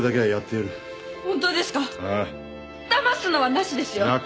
だますのはなしですよ！？